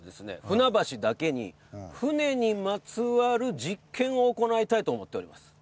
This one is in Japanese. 船橋だけに船にまつわる実験を行いたいと思っております。